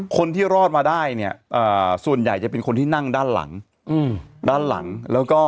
คนที่รอดมาได้เนี่ยส่วนใหญ่จะเป็นคนที่นั่งด้านหลังด้านหลังแล้วก็